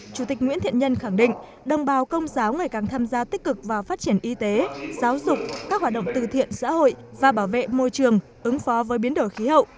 chủ tịch nguyễn thiện nhân khẳng định đồng bào công giáo ngày càng tham gia tích cực vào phát triển y tế giáo dục các hoạt động từ thiện xã hội và bảo vệ môi trường ứng phó với biến đổi khí hậu